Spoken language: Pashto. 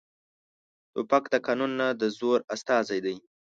توپک د قانون نه، د زور استازی دی.